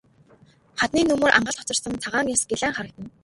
Хадны нөмөр ангалд хоцорсон цагаан цас гялайн харагдана.